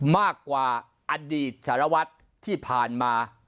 มากกว่าอดีตสารวัตรที่ผ่านมา